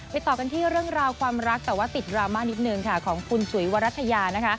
ต่อกันที่เรื่องราวความรักแต่ว่าติดดราม่านิดนึงค่ะของคุณจุ๋ยวรัฐยานะคะ